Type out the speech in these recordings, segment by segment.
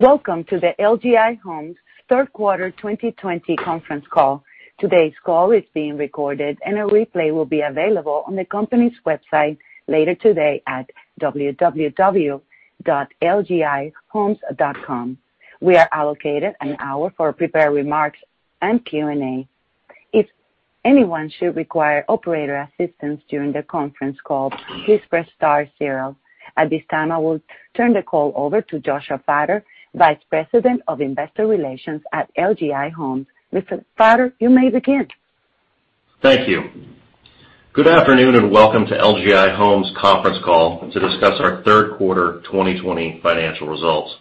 Welcome to the LGI Homes third quarter 2020 conference call. Today's call is being recorded, and a replay will be available on the company's website later today at www.lgihomes.com. We are allocated an hour for prepared remarks and Q&A. If anyone should require operator assistance during the conference call, please press star zero. At this time, I will turn the call over to Josh Fattor, Vice President of Investor Relations at LGI Homes. Mr. Fattor, you may begin. Thank you. Good afternoon, welcome to LGI Homes conference call to discuss our third quarter 2020 financial results.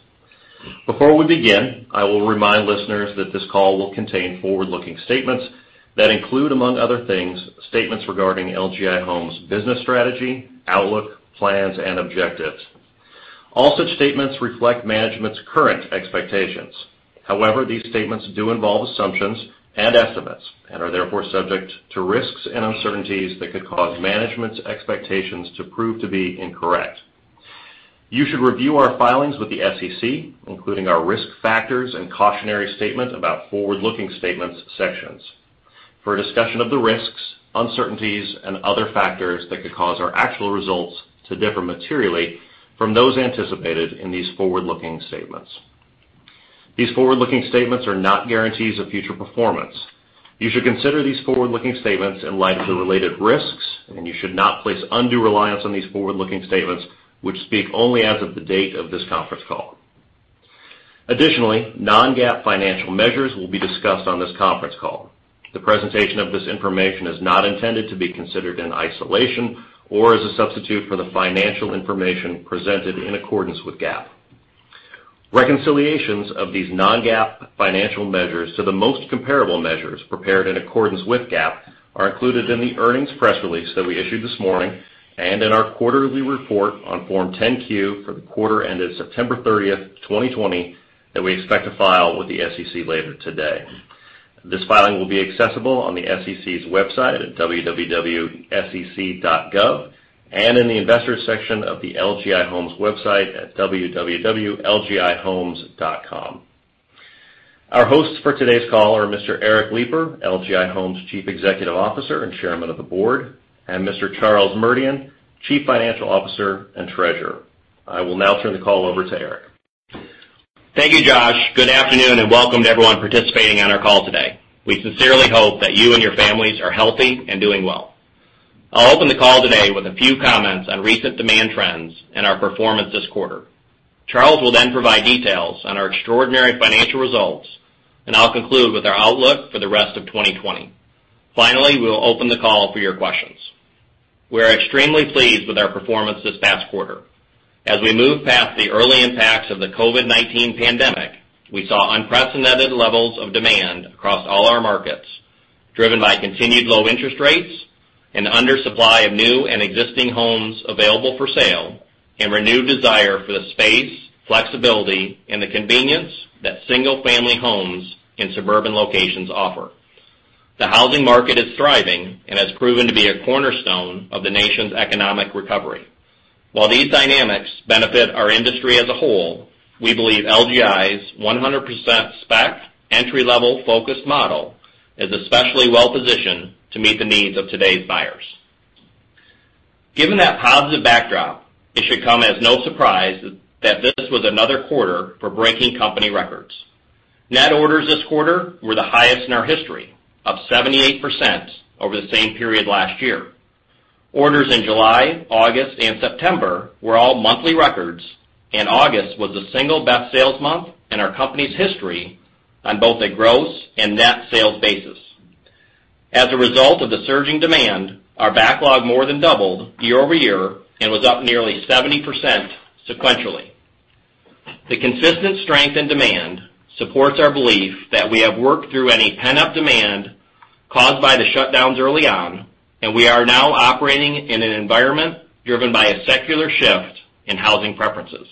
Before we begin, I will remind listeners that this call will contain forward-looking statements that include, among other things, statements regarding LGI Homes' business strategy, outlook, plans, and objectives. All such statements reflect management's current expectations. However, these statements do involve assumptions and estimates and are therefore subject to risks and uncertainties that could cause management's expectations to prove to be incorrect. You should review our filings with the SEC, including our risk factors and cautionary statement about forward-looking statements sections for a discussion of the risks, uncertainties, and other factors that could cause our actual results to differ materially from those anticipated in these forward-looking statements. These forward-looking statements are not guarantees of future performance. You should consider these forward-looking statements in light of the related risks, and you should not place undue reliance on these forward-looking statements which speak only as of the date of this conference call. Additionally, non-GAAP financial measures will be discussed on this conference call. The presentation of this information is not intended to be considered in isolation or as a substitute for the financial information presented in accordance with GAAP. Reconciliations of these non-GAAP financial measures to the most comparable measures prepared in accordance with GAAP are included in the earnings press release that we issued this morning and in our quarterly report on Form 10-Q for the quarter ended September 30th, 2020, that we expect to file with the SEC later today. This filing will be accessible on the SEC's website at www.sec.gov and in the investors section of the LGI Homes website at www.lgihomes.com. Our hosts for today's call are Mr. Eric Lipar, LGI Homes Chief Executive Officer and Chairman of the Board, and Mr. Charles Merdian, Chief Financial Officer and Treasurer. I will now turn the call over to Eric. Thank you, Josh. Good afternoon, and welcome to everyone participating on our call today. We sincerely hope that you and your families are healthy and doing well. I'll open the call today with a few comments on recent demand trends and our performance this quarter. Charles will then provide details on our extraordinary financial results, and I'll conclude with our outlook for the rest of 2020. Finally, we will open the call for your questions. We are extremely pleased with our performance this past quarter. As we move past the early impacts of the COVID-19 pandemic, we saw unprecedented levels of demand across all our markets, driven by continued low interest rates, an under supply of new and existing homes available for sale, and renewed desire for the space, flexibility, and the convenience that single-family homes in suburban locations offer. The housing market is thriving and has proven to be a cornerstone of the nation's economic recovery. While these dynamics benefit our industry as a whole, we believe LGI's 100% spec entry-level focused model is especially well-positioned to meet the needs of today's buyers. Given that positive backdrop, it should come as no surprise that this was another quarter for breaking company records. Net orders this quarter were the highest in our history of 78% over the same period last year. Orders in July, August, and September were all monthly records, and August was the single best sales month in our company's history on both a gross and net sales basis. As a result of the surging demand, our backlog more than doubled year-over-year and was up nearly 70% sequentially. The consistent strength and demand supports our belief that we have worked through any pent-up demand caused by the shutdowns early on, and we are now operating in an environment driven by a secular shift in housing preferences.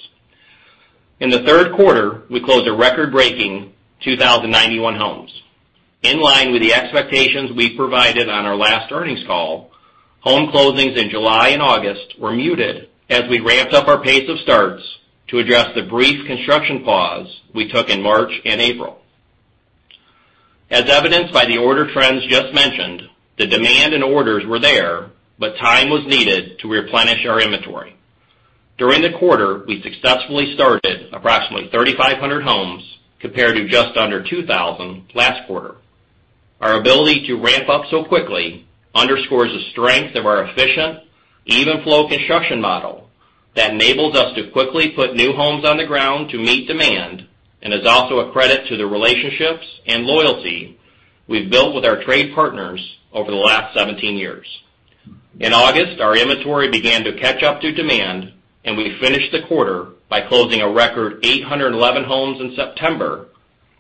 In the third quarter, we closed a record-breaking 2,091 homes. In line with the expectations we provided on our last earnings call, home closings in July and August were muted as we ramped up our pace of starts to address the brief construction pause we took in March and April. As evidenced by the order trends just mentioned, the demand and orders were there, but time was needed to replenish our inventory. During the quarter, we successfully started approximately 3,500 homes compared to just under 2,000 last quarter. Our ability to ramp up so quickly underscores the strength of our efficient, even-flow construction model that enables us to quickly put new homes on the ground to meet demand and is also a credit to the relationships and loyalty we've built with our trade partners over the last 17 years. In August, our inventory began to catch up to demand, and we finished the quarter by closing a record 811 homes in September,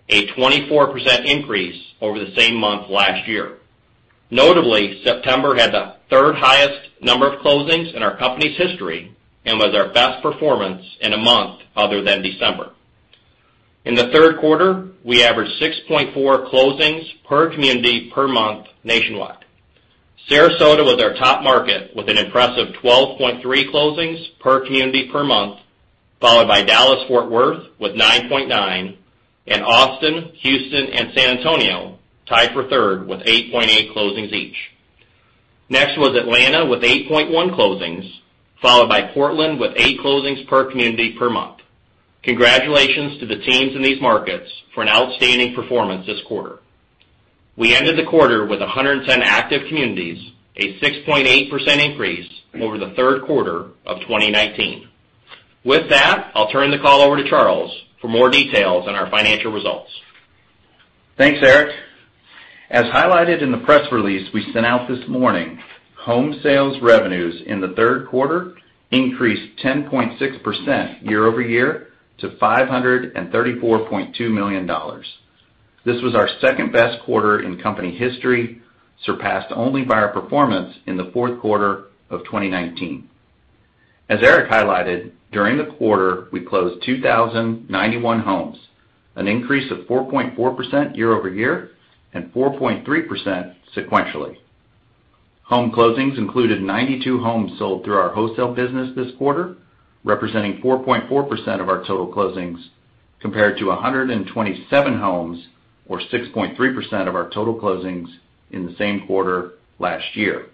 a 24% increase over the same month last year. Notably, September had the third highest number of closings in our company's history and was our best performance in a month other than December. In the third quarter, we averaged 6.4 closings per community per month nationwide. Sarasota was our top market with an impressive 12.3 closings per community per month, followed by Dallas-Fort Worth with 9.9, and Austin, Houston, and San Antonio tied for third with 8.8 closings each. Next was Atlanta with 8.1 closings, followed by Portland with eight closings per community per month. Congratulations to the teams in these markets for an outstanding performance this quarter. We ended the quarter with 110 active communities, a 6.8% increase over the third quarter of 2019. With that, I'll turn the call over to Charles for more details on our financial results. Thanks, Eric. As highlighted in the press release we sent out this morning, home sales revenues in the third quarter increased 10.6% year-over-year to $534.2 million. This was our second-best quarter in company history, surpassed only by our performance in the fourth quarter of 2019. As Eric highlighted, during the quarter, we closed 2,091 homes, an increase of 4.4% year-over-year and 4.3% sequentially. Home closings included 92 homes sold through our wholesale business this quarter, representing 4.4% of our total closings, compared to 127 homes, or 6.3% of our total closings in the same quarter last year.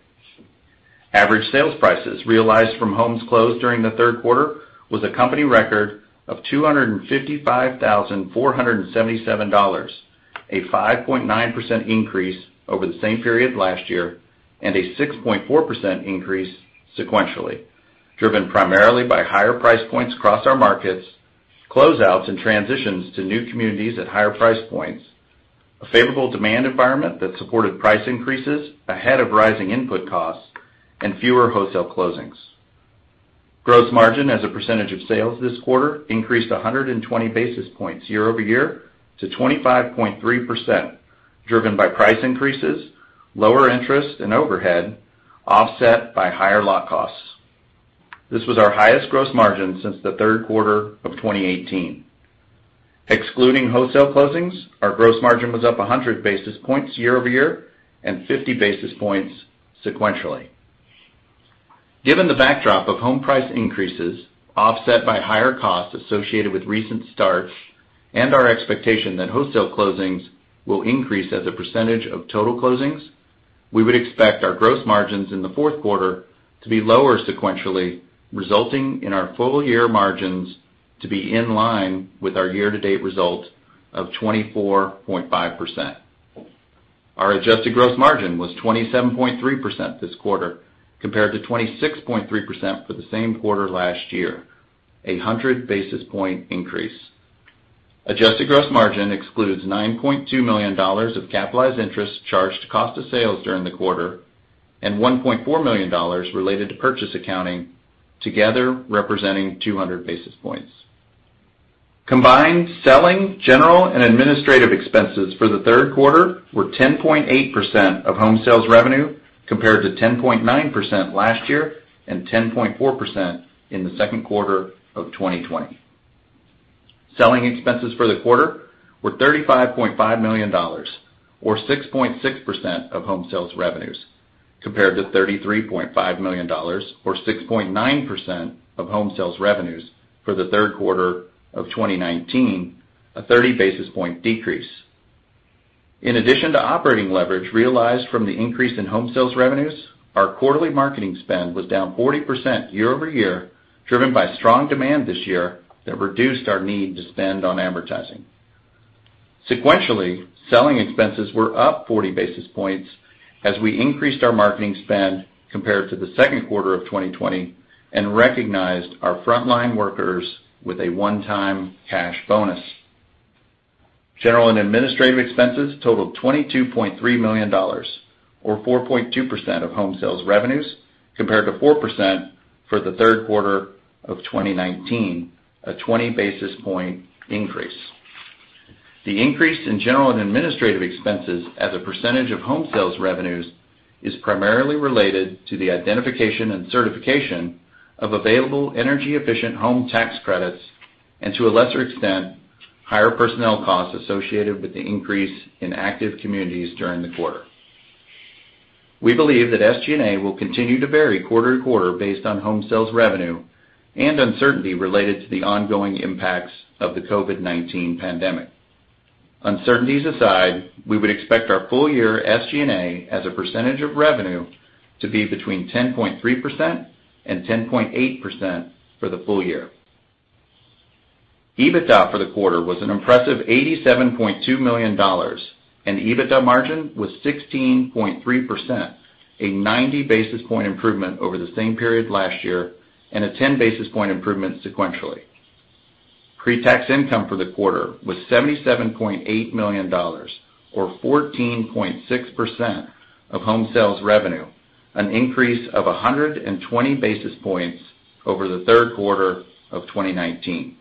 Average sales prices realized from homes closed during the third quarter was a company record of $255,477, a 5.9% increase over the same period last year, and a 6.4% increase sequentially, driven primarily by higher price points across our markets, closeouts and transitions to new communities at higher price points, a favorable demand environment that supported price increases ahead of rising input costs, and fewer wholesale closings. Gross margin as a percentage of sales this quarter increased 120 basis points year-over-year to 25.3%, driven by price increases, lower interest and overhead, offset by higher lot costs. This was our highest gross margin since the third quarter of 2018. Excluding wholesale closings, our gross margin was up 100 basis points year-over-year and 50 basis points sequentially. Given the backdrop of home price increases offset by higher costs associated with recent starts and our expectation that wholesale closings will increase as a percentage of total closings, we would expect our gross margins in the fourth quarter to be lower sequentially, resulting in our full-year margins to be in line with our year-to-date result of 24.5%. Our adjusted gross margin was 27.3% this quarter, compared to 26.3% for the same quarter last year, a 100 basis point increase. Adjusted gross margin excludes $9.2 million of capitalized interest charged to cost of sales during the quarter and $1.4 million related to purchase accounting, together representing 200 basis points. Combined selling, general and administrative expenses for the third quarter were 10.8% of home sales revenue, compared to 10.9% last year and 10.4% in the second quarter of 2020. Selling expenses for the quarter were $35.5 million, or 6.6% of home sales revenues, compared to $33.5 million, or 6.9% of home sales revenues for the third quarter of 2019, a 30 basis point decrease. In addition to operating leverage realized from the increase in home sales revenues, our quarterly marketing spend was down 40% year-over-year, driven by strong demand this year that reduced our need to spend on advertising. Sequentially, selling expenses were up 40 basis points as we increased our marketing spend compared to the second quarter of 2020 and recognized our frontline workers with a one-time cash bonus. General and administrative expenses totaled $22.3 million, or 4.2% of home sales revenues, compared to 4% for the third quarter of 2019, a 20 basis point increase. The increase in general and administrative expenses as a percentage of home sales revenues is primarily related to the identification and certification of available energy-efficient home tax credits and, to a lesser extent, higher personnel costs associated with the increase in active communities during the quarter. We believe that SG&A will continue to vary quarter to quarter based on home sales revenue and uncertainty related to the ongoing impacts of the COVID-19 pandemic. Uncertainties aside, we would expect our full-year SG&A as a percentage of revenue to be between 10.3% and 10.8% for the full year. EBITDA for the quarter was an impressive $87.2 million, and EBITDA margin was 16.3%, a 90 basis point improvement over the same period last year and a 10 basis point improvement sequentially. Pre-tax income for the quarter was $77.8 million, or 14.6% of home sales revenue, an increase of 120 basis points over the third quarter of 2019.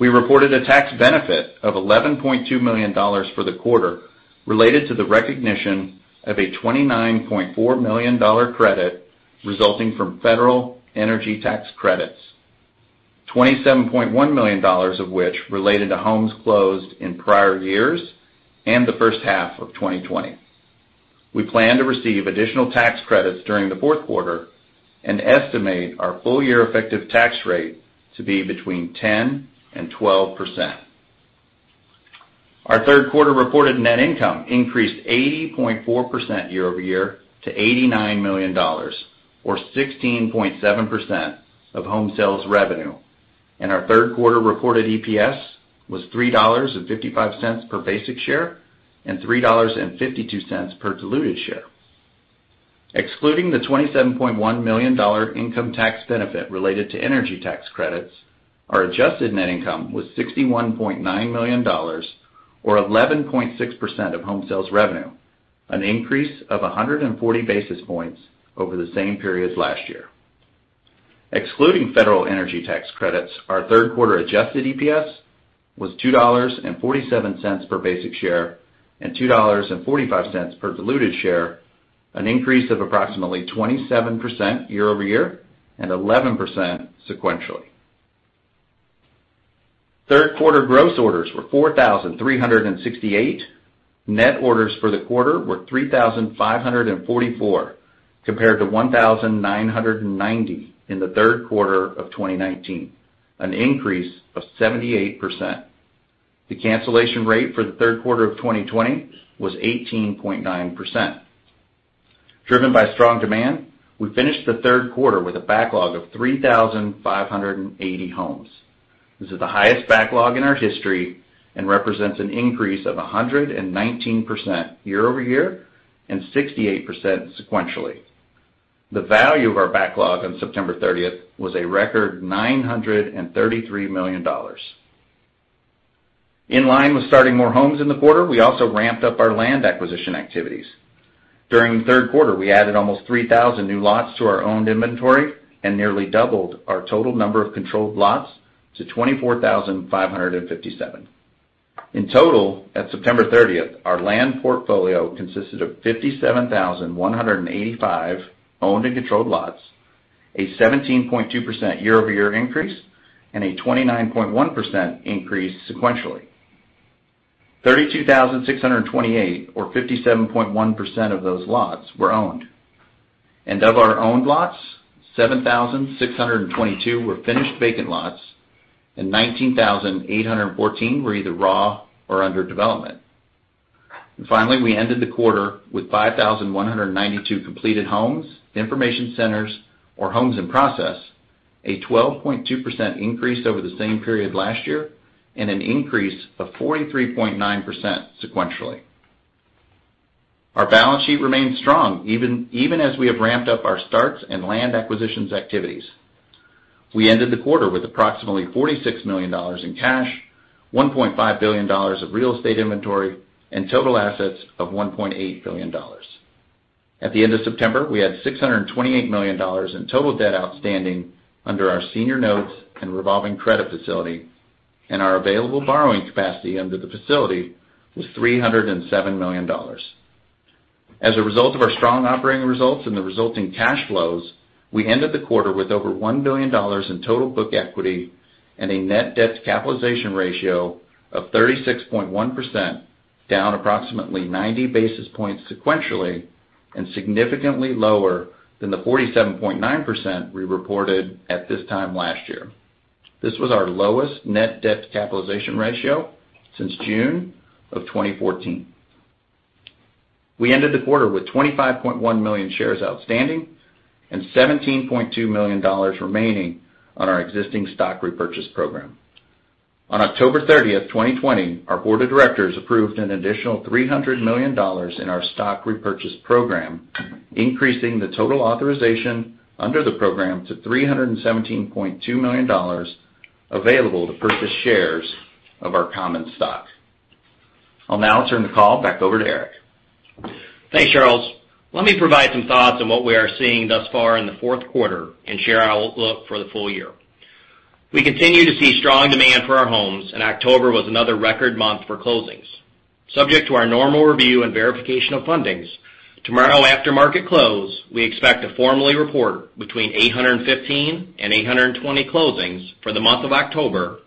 We reported a tax benefit of $11.2 million for the quarter related to the recognition of a $29.4 million credit resulting from federal energy tax credits. $27.1 million of which related to homes closed in prior years and the first half of 2020. We plan to receive additional tax credits during the fourth quarter and estimate our full year effective tax rate to be between 10% and 12%. Our third quarter reported net income increased 80.4% year-over-year to $89 million, or 16.7% of home sales revenue, and our third quarter reported EPS was $3.55 per basic share and $3.52 per diluted share. Excluding the $27.1 million income tax benefit related to energy tax credits, our adjusted net income was $61.9 million, or 11.6% of home sales revenue, an increase of 140 basis points over the same period last year. Excluding federal energy tax credits, our third quarter Adjusted EPS was $2.47 per basic share and $2.45 per diluted share, an increase of approximately 27% year-over-year and 11% sequentially. Third quarter gross orders were 4,368. Net orders for the quarter were 3,544 compared to 1,990 in the third quarter of 2019, an increase of 78%. The cancellation rate for the third quarter of 2020 was 18.9%. Driven by strong demand, we finished the third quarter with a backlog of 3,580 homes. This is the highest backlog in our history and represents an increase of 119% year-over-year and 68% sequentially. The value of our backlog on September 30th was a record $933 million. In line with starting more homes in the quarter, we also ramped up our land acquisition activities. During the third quarter, we added almost 3,000 new lots to our owned inventory and nearly doubled our total number of controlled lots to 24,557. In total, at September 30th, our land portfolio consisted of 57,185 owned and controlled lots, a 17.2% year-over-year increase, and a 29.1% increase sequentially. 32,628 or 57.1% of those lots were owned. Of our owned lots, 7,622 were finished vacant lots and 19,814 were either raw or under development. Finally, we ended the quarter with 5,192 completed homes, information centers, or homes in process, a 12.2% increase over the same period last year, and an increase of 43.9% sequentially. Our balance sheet remains strong even as we have ramped up our starts and land acquisitions activities. We ended the quarter with approximately $46 million in cash, $1.5 billion of real estate inventory, and total assets of $1.8 billion. At the end of September, we had $628 million in total debt outstanding under our senior notes and revolving credit facility, and our available borrowing capacity under the facility was $307 million. As a result of our strong operating results and the resulting cash flows, we ended the quarter with over $1 billion in total book equity and a net debt to capitalization ratio of 36.1%, down approximately 90 basis points sequentially and significantly lower than the 47.9% we reported at this time last year. This was our lowest net debt to capitalization ratio since June of 2014. We ended the quarter with 25.1 million shares outstanding and $17.2 million remaining on our existing stock repurchase program. On October 30th, 2020, our board of directors approved an additional $300 million in our stock repurchase program, increasing the total authorization under the program to $317.2 million available to purchase shares of our common stock. I'll now turn the call back over to Eric. Thanks, Charles. Let me provide some thoughts on what we are seeing thus far in the fourth quarter and share our outlook for the full year. We continue to see strong demand for our homes. October was another record month for closings. Subject to our normal review and verification of fundings, tomorrow after market close, we expect to formally report between 815 and 820 closings for the month of October,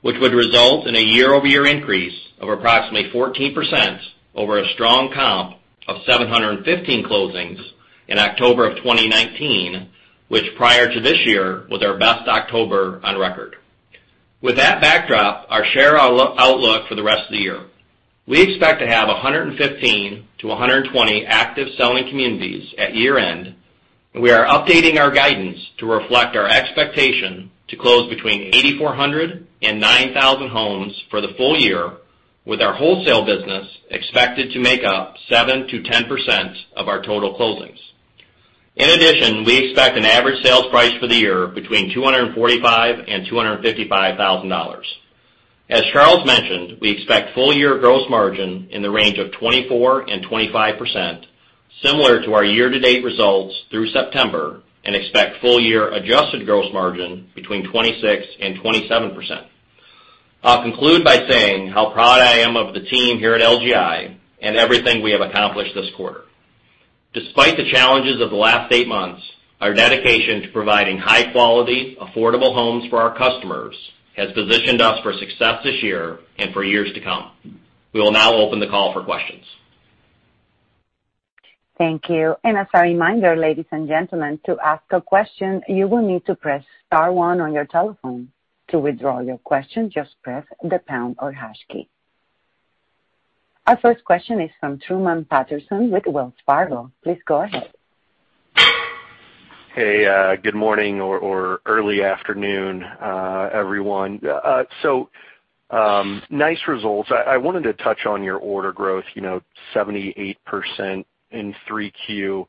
which would result in a year-over-year increase of approximately 14% over a strong comp of 715 closings in October of 2019, which prior to this year was our best October on record. With that backdrop, I'll share our outlook for the rest of the year. We expect to have 115-120 active selling communities at year-end. We are updating our guidance to reflect our expectation to close between 8,400-9,000 homes for the full year with our wholesale business expected to make up 7%-10% of our total closings. In addition, we expect an average sales price for the year between $245,000 and $255,000. As Charles mentioned, we expect full year gross margin in the range of 24% and 25%, similar to our year-to-date results through September. We expect full year adjusted gross margin between 26% and 27%. I'll conclude by saying how proud I am of the team here at LGI and everything we have accomplished this quarter. Despite the challenges of the last eight months, our dedication to providing high-quality, affordable homes for our customers has positioned us for success this year and for years to come. We will now open the call for questions. Thank you. As a reminder, ladies and gentlemen, to ask a question, you will need to press star one on your telephone. To withdraw your question, just press the pound or hash key. Our first question is from Truman Patterson with Wells Fargo. Please go ahead. Good morning or early afternoon, everyone. Nice results. I wanted to touch on your order growth, 78% in 3Q.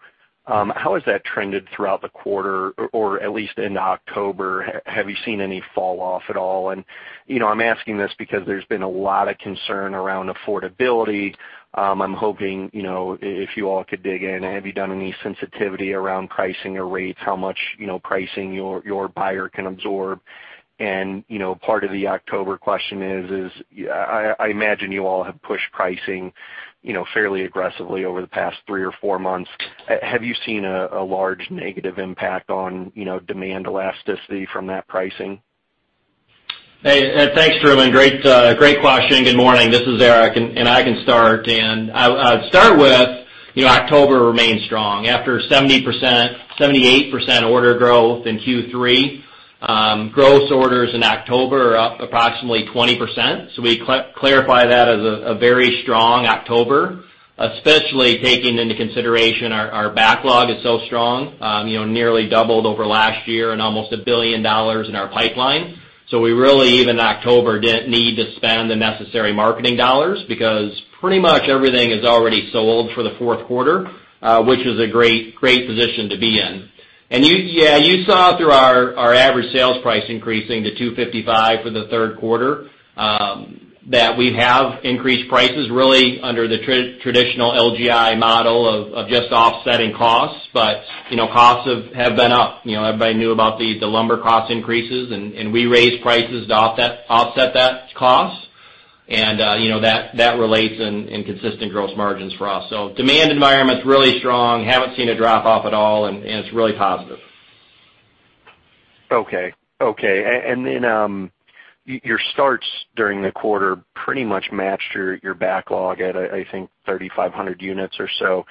How has that trended throughout the quarter, or at least into October? Have you seen any fall off at all? I'm asking this because there's been a lot of concern around affordability. I'm hoping, if you all could dig in, have you done any sensitivity around pricing or rates? How much pricing your buyer can absorb? Part of the October question is, I imagine you all have pushed pricing fairly aggressively over the past three or four months. Have you seen a large negative impact on demand elasticity from that pricing? Hey, thanks, Truman. Great question. Good morning. This is Eric. I can start. I would start with October remained strong after 78% order growth in Q3. Gross orders in October are up approximately 20%. We clarify that as a very strong October, especially taking into consideration our backlog is so strong, nearly doubled over last year and almost $1 billion in our pipeline. We really, even in October, didn't need to spend the necessary marketing dollars because pretty much everything is already sold for the fourth quarter, which is a great position to be in. You saw through our average sales price increasing to $255 for the third quarter, that we have increased prices really under the traditional LGI model of just offsetting costs. Costs have been up. Everybody knew about the lumber cost increases. We raised prices to offset that cost. That relates in consistent gross margins for us. Demand environment's really strong. Haven't seen a drop-off at all, and it's really positive. Okay. Your starts during the quarter pretty much matched your backlog at, I think, 3,500 units or so.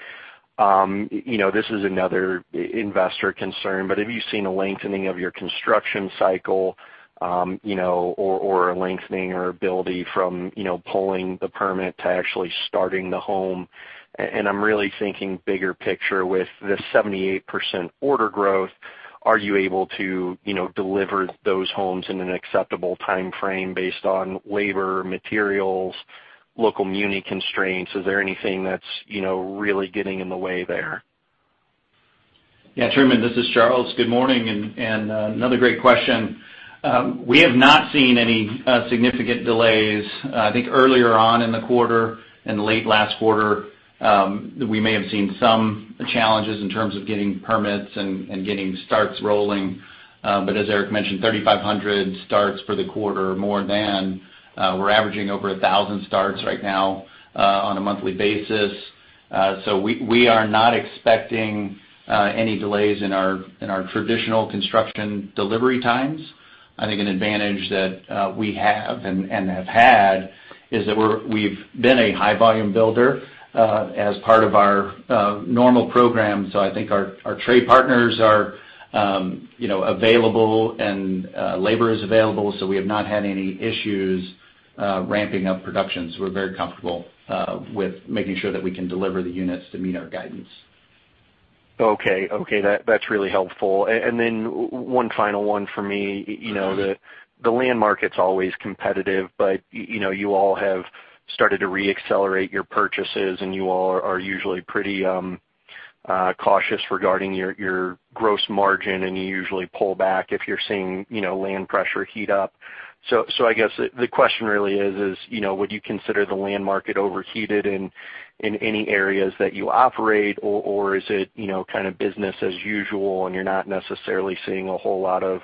This is another investor concern, have you seen a lengthening of your construction cycle, or a lengthening or ability from pulling the permit to actually starting the home? I'm really thinking bigger picture with the 78% order growth. Are you able to deliver those homes in an acceptable timeframe based on labor, materials, local muni constraints? Is there anything that's really getting in the way there? Yeah, Truman, this is Charles. Good morning, and another great question. We have not seen any significant delays. I think earlier on in the quarter and late last quarter, we may have seen some challenges in terms of getting permits and getting starts rolling. As Eric mentioned, 3,500 starts for the quarter, more than. We're averaging over 1,000 starts right now on a monthly basis. We are not expecting any delays in our traditional construction delivery times. I think an advantage that we have and have had is that we've been a high volume builder as part of our normal program. I think our trade partners are available, and labor is available, so we have not had any issues ramping up production. We're very comfortable with making sure that we can deliver the units to meet our guidance. Okay. That's really helpful. Then one final one for me. The land market's always competitive, but you all have started to re-accelerate your purchases, and you all are usually pretty cautious regarding your gross margin, and you usually pull back if you're seeing land pressure heat up. I guess the question really is, would you consider the land market overheated in any areas that you operate, or is it kind of business as usual and you're not necessarily seeing a whole lot of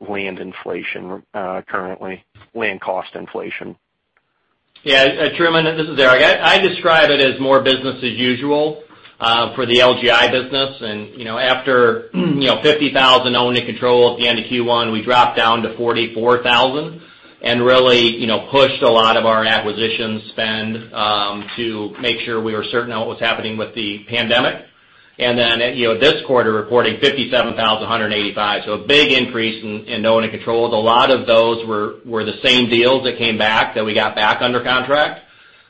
land inflation currently, land cost inflation? Yeah. Truman, this is Eric. I describe it as more business as usual for the LGI business. After 50,000 owned and controlled at the end of Q1, we dropped down to 44,000 and really pushed a lot of our acquisition spend to make sure we were certain on what was happening with the pandemic. This quarter reporting 57,185. A big increase in owned and controlled. A lot of those were the same deals that came back, that we got back under contract.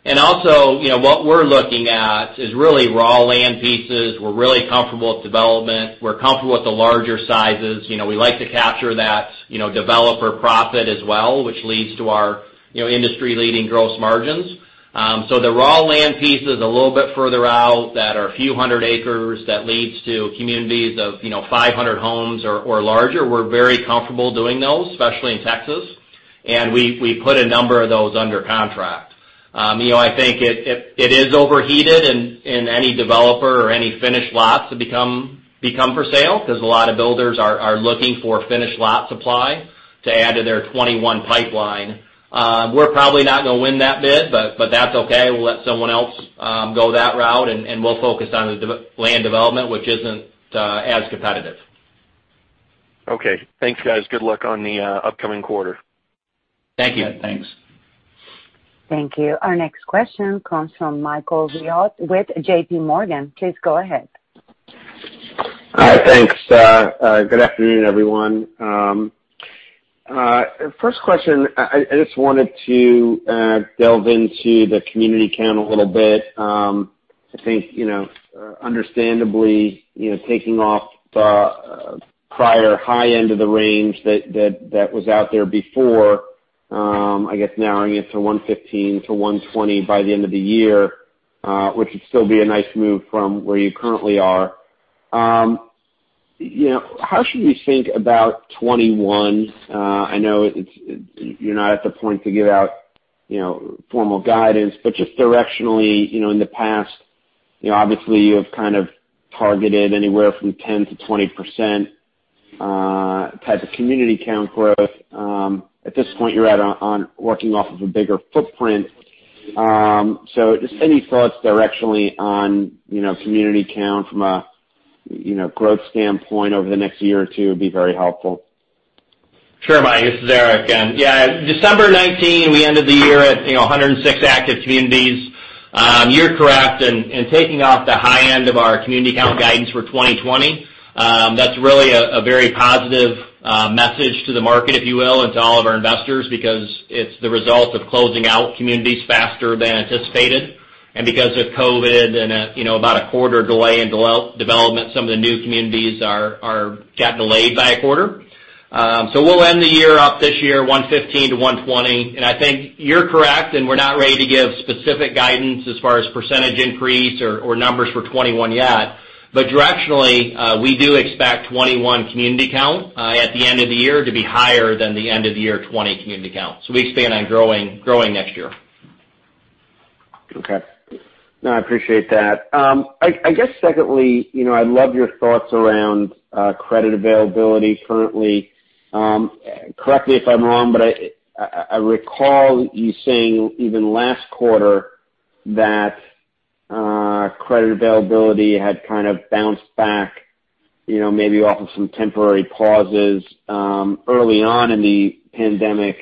What we're looking at is really raw land pieces. We're really comfortable with development. We're comfortable with the larger sizes. We like to capture that developer profit as well, which leads to our industry-leading gross margins. The raw land pieces a little bit further out that are a few hundred acres that leads to communities of 500 homes or larger, we're very comfortable doing those, especially in Texas. We put a number of those under contract. I think it is overheated, and any developer or any finished lots have become for sale because a lot of builders are looking for finished lot supply to add to their 2021 pipeline. We're probably not going to win that bid, but that's okay. We'll let someone else go that route, and we'll focus on the land development, which isn't as competitive. Okay. Thanks, guys. Good luck on the upcoming quarter. Thank you. Yeah, thanks. Thank you. Our next question comes from Michael Rehaut with JPMorgan. Please go ahead. Hi. Thanks. Good afternoon, everyone. First question, I just wanted to delve into the community count a little bit. I think, understandably, taking off the prior high end of the range that was out there before, I guess narrowing it to 115-120 by the end of the year, which would still be a nice move from where you currently are. How should we think about 2021? I know you're not at the point to give out formal guidance, but just directionally, in the past, obviously you have kind of targeted anywhere from 10%-20% type of community count growth. At this point, you're out on working off of a bigger footprint. Just any thoughts directionally on community count from a growth standpoint over the next year or two would be very helpful. Sure, Mike. This is Eric again. Yeah. December 19, we ended the year at 106 active communities. You're correct in taking off the high end of our community count guidance for 2020. That's really a very positive message to the market, if you will, and to all of our investors, because it's the result of closing out communities faster than anticipated. Because of COVID and about a quarter delay in development, some of the new communities got delayed by a quarter. We'll end the year up this year 115-120. I think you're correct, and we're not ready to give specific guidance as far as percentage increase or numbers for 2021 yet. Directionally, we do expect 2021 community count at the end of the year to be higher than the end of the year 2020 community count. We expand on growing next year. Okay. No, I appreciate that. I guess secondly, I'd love your thoughts around credit availability currently. Correct me if I'm wrong, but I recall you saying even last quarter that credit availability had kind of bounced back, maybe off of some temporary pauses early on in the pandemic,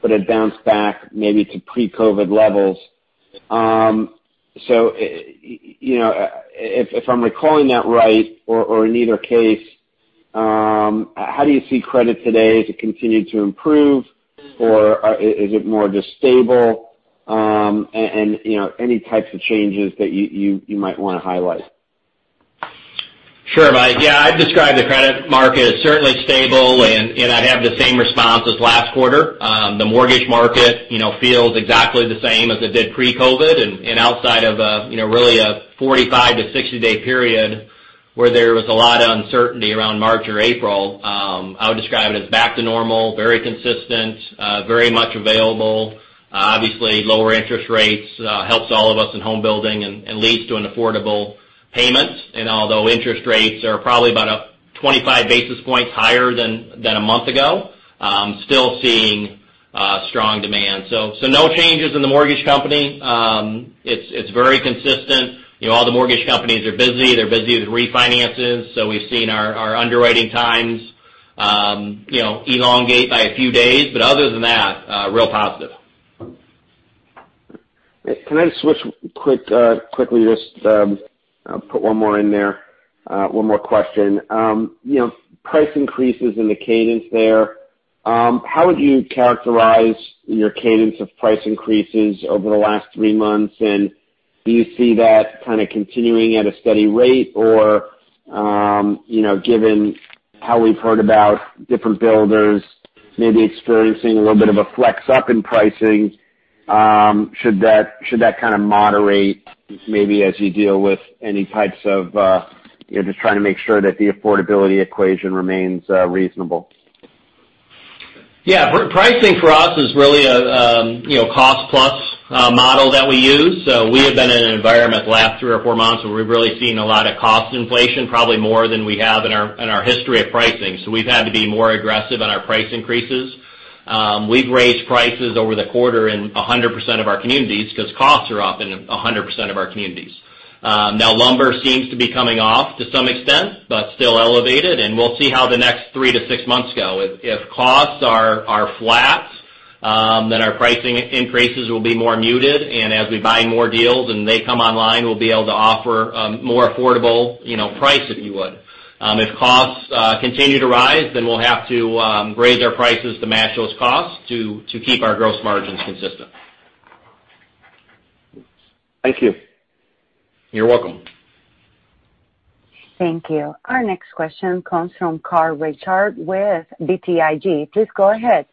but had bounced back maybe to pre-COVID levels. If I'm recalling that right, or in either case, how do you see credit today? Has it continued to improve, or is it more just stable? Any types of changes that you might want to highlight? Sure, Mike. yeah, I'd describe the credit market as certainly stable, and I'd have the same response as last quarter. The mortgage market feels exactly the same as it did pre-COVID-19. Outside of really a 45- to 60-day period where there was a lot of uncertainty around March or April, I would describe it as back to normal, very consistent, very much available. Obviously, lower interest rates helps all of us in home building and leads to an affordable payment. Although interest rates are probably about 25 basis points higher than a month ago, still seeing strong demand. No changes in the mortgage company. It's very consistent. All the mortgage companies are busy. They're busy with refinances. We've seen our underwriting times elongate by a few days, but other than that, real positive. Can I switch quickly, just put one more in there. One more question. Price increases in the cadence there, how would you characterize your cadence of price increases over the last three months, and do you see that kind of continuing at a steady rate? Given how we've heard about different builders maybe experiencing a little bit of a flex up in pricing, should that kind of moderate maybe as you deal with any types of just trying to make sure that the affordability equation remains reasonable? Yeah. Pricing for us is really a cost-plus model that we use. We have been in an environment the last three or four months where we've really seen a lot of cost inflation, probably more than we have in our history of pricing. We've had to be more aggressive on our price increases. We've raised prices over the quarter in 100% of our communities because costs are up in 100% of our communities. Now, lumber seems to be coming off to some extent, but still elevated, and we'll see how the next three to six months go. If costs are flat, then our pricing increases will be more muted, and as we buy more deals and they come online, we'll be able to offer a more affordable price, if you would. If costs continue to rise, then we'll have to raise our prices to match those costs to keep our gross margins consistent. Thank you. You're welcome. Thank you. Our next question comes from Carl Reichardt with BTIG. Please go ahead.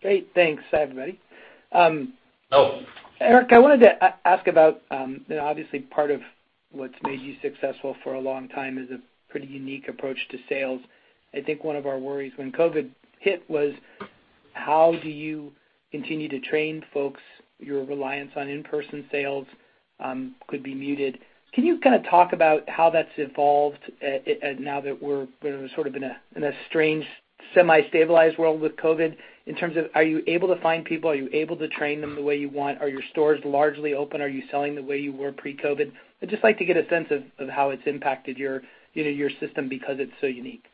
Great. Thanks, everybody. Hello. Eric, I wanted to ask about, obviously part of what's made you successful for a long time is a pretty unique approach to sales. I think one of our worries when COVID hit was, how do you continue to train folks? Your reliance on in-person sales could be muted. Can you kind of talk about how that's evolved now that we're sort of in a strange semi-stabilized world with COVID, in terms of, are you able to find people? Are you able to train them the way you want? Are your stores largely open? Are you selling the way you were pre-COVID? I'd just like to get a sense of how it's impacted your system because it's so unique.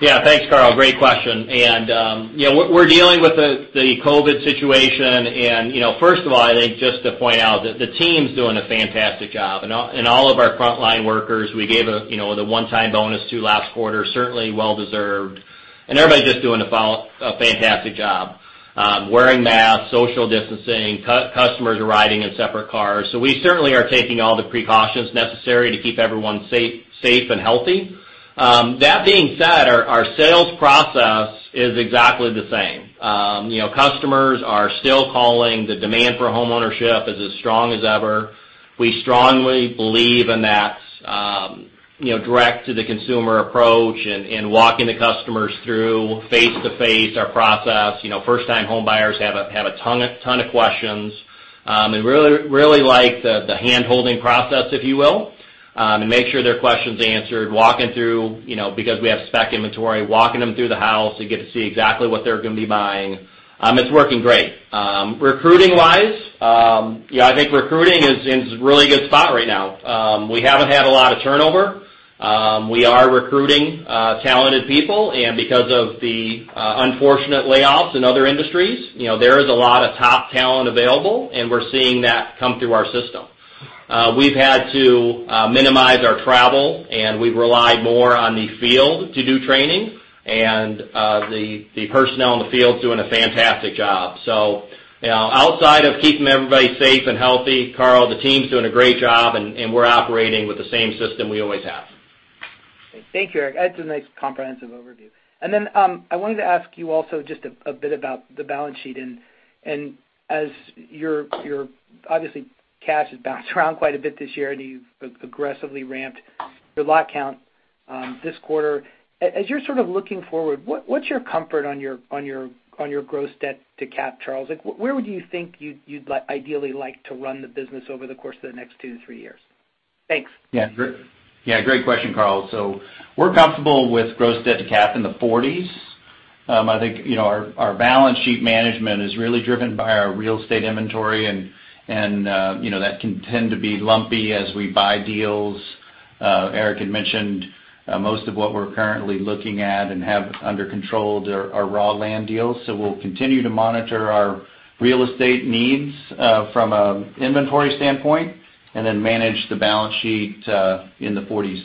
Yeah. Thanks, Carl. Great question. We're dealing with the COVID situation and first of all, I think just to point out that the team's doing a fantastic job, and all of our frontline workers, we gave the one-time bonus too last quarter, certainly well-deserved. Everybody's just doing a fantastic job. Wearing masks, social distancing, customers are riding in separate cars. We certainly are taking all the precautions necessary to keep everyone safe and healthy. That being said, our sales process is exactly the same. Customers are still calling. The demand for homeownership is as strong as ever. We strongly believe in that direct-to-the-consumer approach and walking the customers through, face-to-face, our process. First-time homebuyers have a ton of questions. They really like the hand-holding process, if you will, and make sure their questions are answered, because we have spec inventory, walking them through the house. They get to see exactly what they're going to be buying. It's working great. Recruiting-wise, I think recruiting is in a really good spot right now. We haven't had a lot of turnover. We are recruiting talented people, and because of the unfortunate layoffs in other industries, there is a lot of top talent available, and we're seeing that come through our system. We've had to minimize our travel, and we've relied more on the field to do training. The personnel in the field's doing a fantastic job. Outside of keeping everybody safe and healthy, Carl, the team's doing a great job, and we're operating with the same system we always have. Thank you, Eric. That's a nice comprehensive overview. I wanted to ask you also just a bit about the balance sheet, and as your, obviously, cash has bounced around quite a bit this year, and you've aggressively ramped your lot count this quarter. As you're sort of looking forward, what's your comfort on your gross debt to cap, Charles? Where would you think you'd ideally like to run the business over the course of the next two to three years? Thanks. Yeah. Great question, Carl. We're comfortable with gross debt to cap in the 40s. I think our balance sheet management is really driven by our real estate inventory, and that can tend to be lumpy as we buy deals. Eric had mentioned most of what we're currently looking at and have under control are raw land deals. We'll continue to monitor our real estate needs from an inventory standpoint and then manage the balance sheet in the 40s.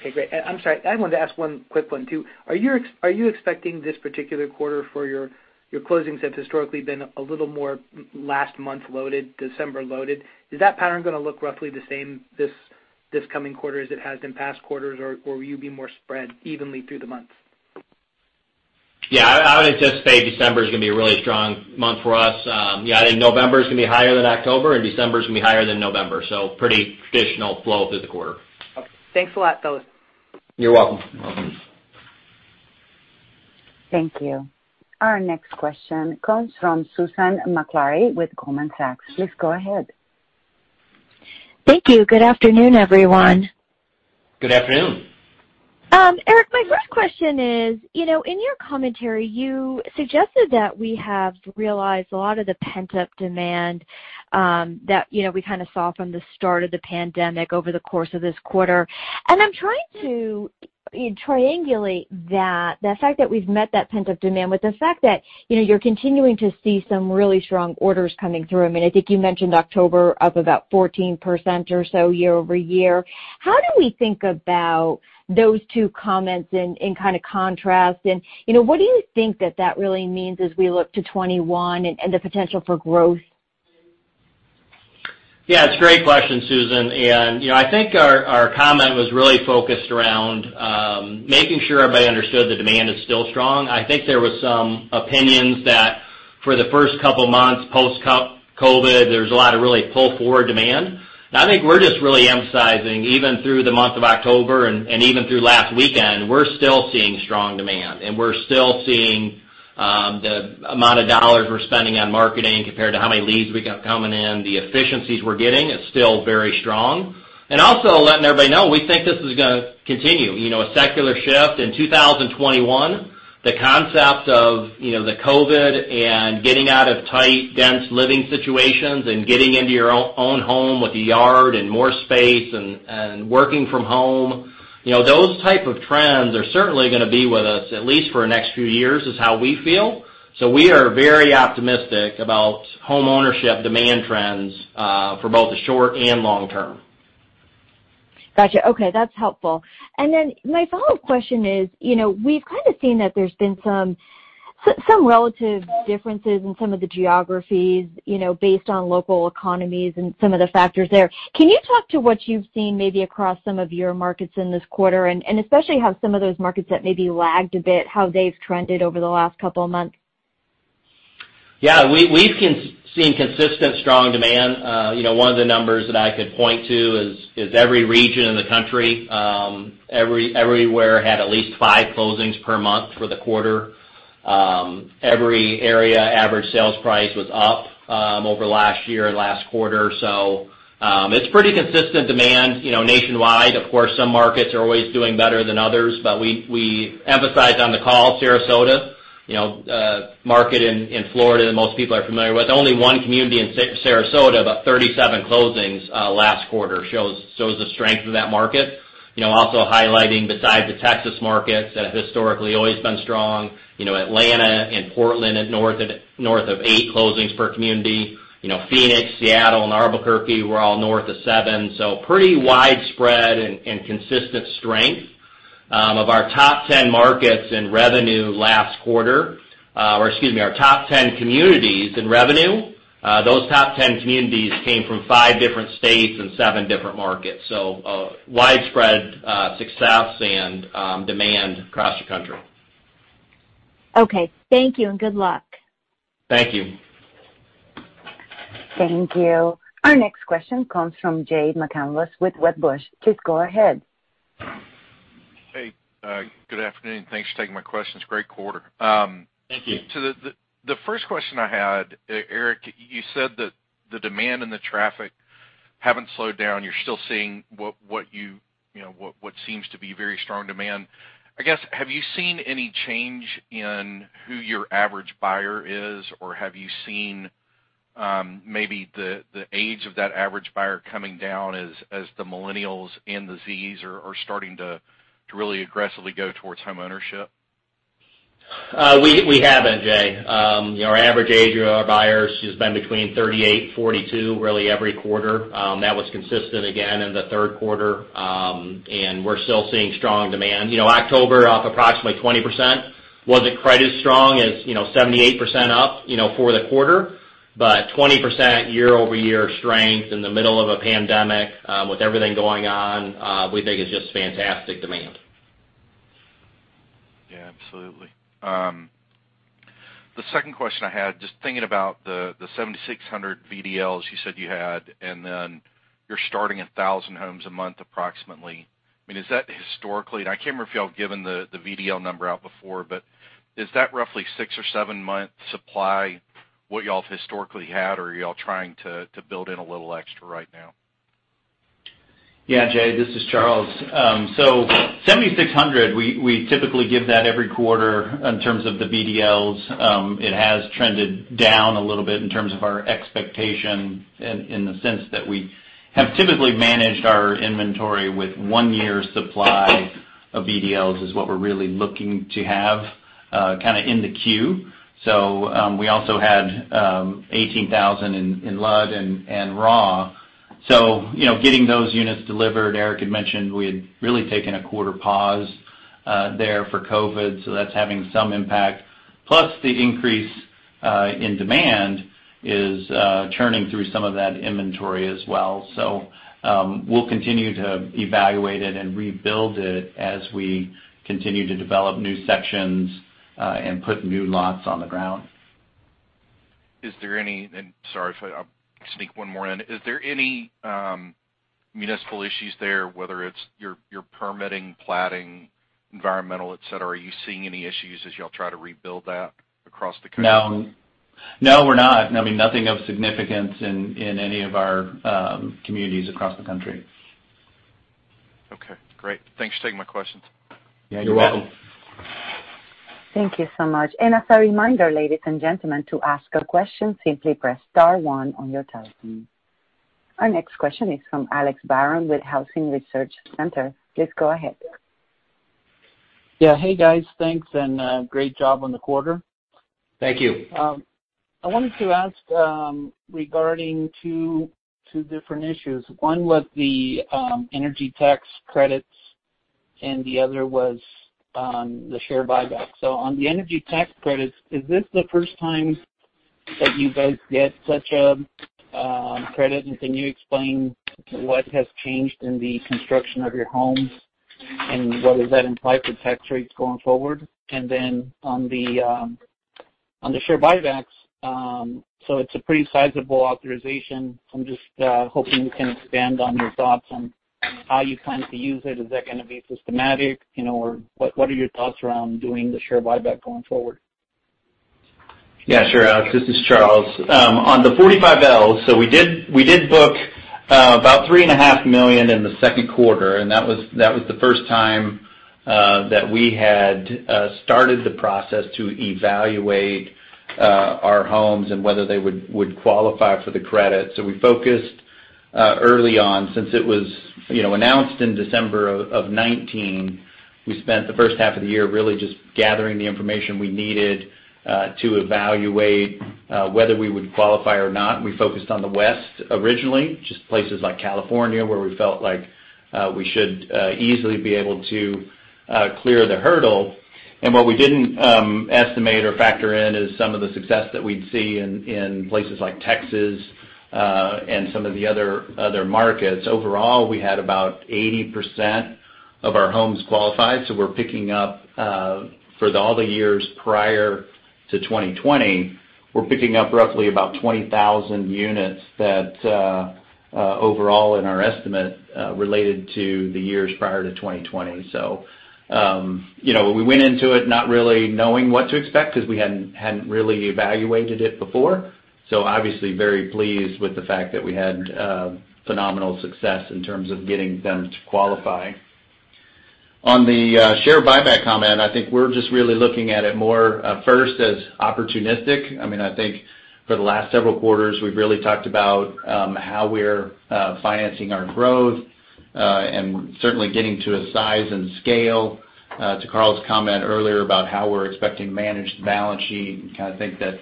Okay, great. I'm sorry. I wanted to ask one quick one, too. Are you expecting this particular quarter for your closings that's historically been a little more last month loaded, December loaded? Is that pattern going to look roughly the same this coming quarter as it has in past quarters, or will you be more spread evenly through the month? I would anticipate December is going to be a really strong month for us. I think November's going to be higher than October, and December's going to be higher than November, so pretty traditional flow through the quarter. Okay. Thanks a lot, fellas. You're welcome. You're welcome. Thank you. Our next question comes from Susan Maklari with Goldman Sachs. Please go ahead. Thank you. Good afternoon, everyone. Good afternoon. Eric, my first question is, in your commentary, you suggested that we have realized a lot of the pent-up demand that we kind of saw from the start of the pandemic over the course of this quarter. I'm trying to triangulate that, the fact that we've met that pent-up demand with the fact that you're continuing to see some really strong orders coming through. I mean, I think you mentioned October up about 14% or so year-over-year. How do we think about those two comments in kind of contrast? What do you think that that really means as we look to 2021 and the potential for growth? Yeah. It's a great question, Susan. I think our comment was really focused around making sure everybody understood the demand is still strong. I think there was some opinions that for the first couple of months post-COVID, there's a lot of really pull-forward demand. I think we're just really emphasizing, even through the month of October and even through last weekend, we're still seeing strong demand, and we're still seeing the amount of dollars we're spending on marketing compared to how many leads we got coming in, the efficiencies we're getting, it's still very strong. Also letting everybody know, we think this is going to continue. A secular shift in 2021, the concept of the COVID and getting out of tight, dense living situations and getting into your own home with a yard and more space and working from home. Those type of trends are certainly going to be with us at least for the next few years, is how we feel. We are very optimistic about homeownership demand trends for both the short and long term. Got you. Okay. That's helpful. My follow-up question is, we've kind of seen that there's been some relative differences in some of the geographies based on local economies and some of the factors there. Can you talk to what you've seen maybe across some of your markets in this quarter, and especially how some of those markets that maybe lagged a bit, how they've trended over the last couple of months? Yeah. We've seen consistent strong demand. One of the numbers that I could point to is every region in the country, everywhere had at least five closings per month for the quarter. Every area average sales price was up over last year and last quarter. It's pretty consistent demand nationwide. Of course, some markets are always doing better than others, but we emphasized on the call, Sarasota, a market in Florida that most people are familiar with. Only one community in Sarasota, but 37 closings last quarter shows the strength of that market. Also highlighting, besides the Texas markets that have historically always been strong, Atlanta and Portland at north of eight closings per community. Phoenix, Seattle, and Albuquerque were all north of seven. Pretty widespread and consistent strength. Of our top 10 markets in revenue last quarter, or excuse me, our top 10 communities in revenue, those top 10 communities came from five different states and seven different markets. Widespread success and demand across the country. Okay. Thank you and good luck. Thank you. Thank you. Our next question comes from Jay McCanless with Wedbush. Please go ahead. Hey, good afternoon. Thanks for taking my questions. Great quarter. Thank you. The first question I had, Eric, you said that the demand and the traffic haven't slowed down. You're still seeing what seems to be very strong demand. I guess, have you seen any change in who your average buyer is? Have you seen maybe the age of that average buyer coming down as the millennials and the Zs are starting to really aggressively go towards homeownership? We have that, Jay. Our average age of our buyers has been between 38 and 42, really every quarter. That was consistent again in the third quarter. We're still seeing strong demand. October, up approximately 20%, wasn't quite as strong as 78% up for the quarter. 20% year-over-year strength in the middle of a pandemic with everything going on, we think is just fantastic demand. Yeah, absolutely. The second question I had, just thinking about the 7,600 VDLs you said you had, and then you're starting 1,000 homes a month approximately. I mean, is that historically, and I can't remember if y'all have given the VDL number out before, but is that roughly six or seven months supply what y'all have historically had, or are y'all trying to build in a little extra right now? Yeah, Jay, this is Charles. 7,600, we typically give that every quarter in terms of the VDLs. It has trended down a little bit in terms of our expectation in the sense that we have typically managed our inventory with one year supply of VDLs, is what we're really looking to have kind of in the queue. We also had 18,000 in LUD and raw. Getting those units delivered, Eric had mentioned we had really taken a quarter pause there for COVID, so that's having some impact. Plus the increase in demand is churning through some of that inventory as well. We'll continue to evaluate it and rebuild it as we continue to develop new sections, and put new lots on the ground. Is there any, and sorry if I sneak one more in? Is there any municipal issues there, whether it's your permitting, platting, environmental, et cetera? Are you seeing any issues as y'all try to rebuild that across the country? No, we're not. I mean, nothing of significance in any of our communities across the country. Okay, great. Thanks for taking my questions. Yeah, you bet. You're welcome. Thank you so much. As a reminder, ladies and gentlemen, to ask a question, simply press star one on your telephone. Our next question is from Alex Barron with Housing Research Center. Please go ahead. Yeah. Hey, guys. Thanks, and great job on the quarter. Thank you. I wanted to ask regarding two different issues. One was the energy tax credits and the other was on the share buyback. On the energy tax credits, is this the first time that you guys get such a credit, and can you explain what has changed in the construction of your homes, and what does that imply for tax rates going forward? On the share buybacks, so it's a pretty sizable authorization. I'm just hoping you can expand on your thoughts on how you plan to use it. Is that going to be systematic, or what are your thoughts around doing the share buyback going forward? Yeah, sure, Alex. This is Charles. On the 45Ls, we did book about three and a half million in the second quarter, and that was the first time that we had started the process to evaluate our homes and whether they would qualify for the credit. We focused early on, since it was announced in December of 2019, we spent the first half of the year really just gathering the information we needed to evaluate whether we would qualify or not. We focused on the West originally, just places like California where we felt like we should easily be able to clear the hurdle. What we didn't estimate or factor in is some of the success that we'd see in places like Texas, and some of the other markets. Overall, we had about 80% of our homes qualified. For all the years prior to 2020, we're picking up roughly about 20,000 units that overall in our estimate, related to the years prior to 2020. We went into it not really knowing what to expect because we hadn't really evaluated it before. Obviously very pleased with the fact that we had phenomenal success in terms of getting them to qualify. On the share buyback comment, I think we're just really looking at it more, first as opportunistic. I think for the last several quarters, we've really talked about how we're financing our growth, and certainly getting to a size and scale, to Carl's comment earlier about how we're expecting managed balance sheet and kind of think that,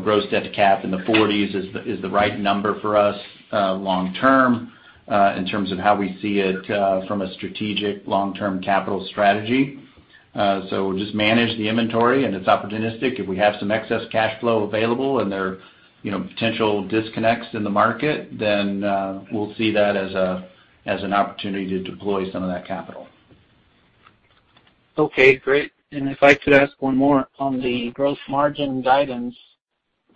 gross debt cap in the 40s is the right number for us, long term, in terms of how we see it, from a strategic long-term capital strategy. We'll just manage the inventory and it's opportunistic. If we have some excess cash flow available and there are potential disconnects in the market, then, we'll see that as an opportunity to deploy some of that capital. Okay, great. If I could ask one more on the gross margin guidance.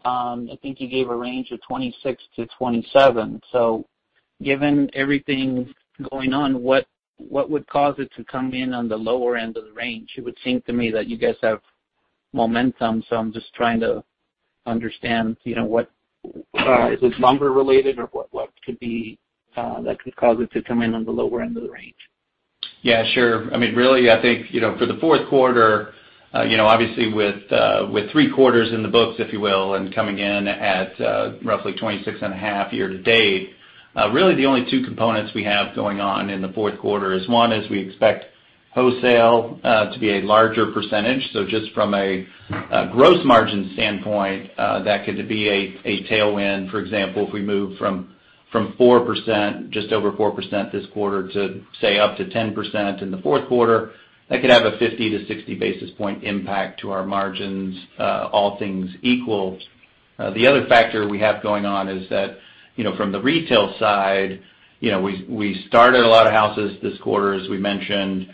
I think you gave a range of 26%-27%. Given everything going on, what would cause it to come in on the lower end of the range? It would seem to me that you guys have momentum. I'm just trying to understand, is this lumber related or what could cause it to come in on the lower end of the range? Yeah, sure. Really, I think, for the fourth quarter, obviously with three quarters in the books, if you will, and coming in at roughly 26 and a half year to date, really the only two components we have going on in the fourth quarter is one is we expect wholesale to be a larger percentage. Just from a gross margin standpoint, that could be a tailwind. For example, if we move from 4%, just over 4% this quarter to say up to 10% in the fourth quarter, that could have a 50-60 basis point impact to our margins, all things equal. The other factor we have going on is that, from the retail side, we started a lot of houses this quarter, as we mentioned.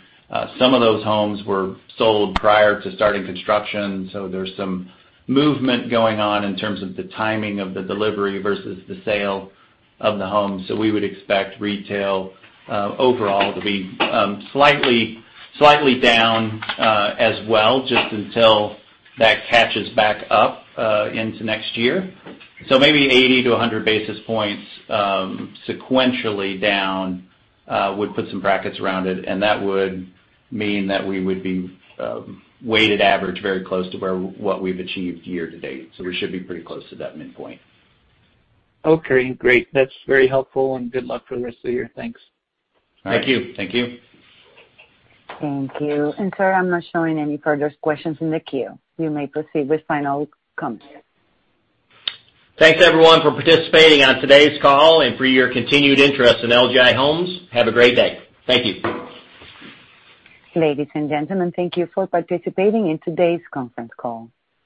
Some of those homes were sold prior to starting construction, so there's some movement going on in terms of the timing of the delivery versus the sale of the home. We would expect retail overall to be slightly down, as well, just until that catches back up into next year. Maybe 80-100 basis points, sequentially down, would put some brackets around it, and that would mean that we would be weighted average very close to what we've achieved year to date. We should be pretty close to that midpoint. Okay, great. That's very helpful and good luck for the rest of the year. Thanks. Thank you. Thank you. Sir, I'm not showing any further questions in the queue. You may proceed with final comments. Thanks everyone for participating on today's call and for your continued interest in LGI Homes. Have a great day. Thank you. Ladies and gentlemen, thank you for participating in today's conference call.